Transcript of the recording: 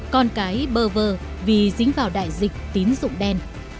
con cái bơ vơ vì dính vào đại dịch tín dụng đen